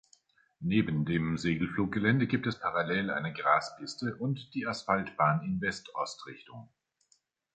Neben dem Segelfluggelände gibt es parallel eine Graspiste und die Asphaltbahn in West-Ost-Richtung.